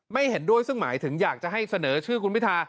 เห็นด้วยซึ่งหมายถึงอยากจะให้เสนอชื่อคุณพิธา